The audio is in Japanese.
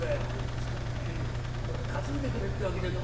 「ですからねえこれ担いでくれってわけじゃ」。